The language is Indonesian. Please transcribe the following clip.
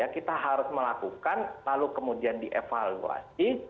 kita harus melakukan lalu kemudian dievaluasi